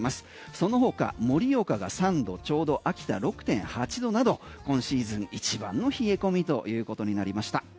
その他、盛岡が３度ちょうど秋田、６．８度など今シーズン一番の冷え込みということになりました。